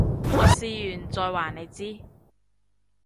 我試完再話你知